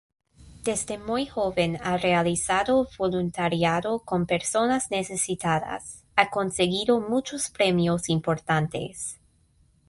Desde muy joven ha realizado voluntariado con personas necesitadas, ha conseguido muchos premios importantes.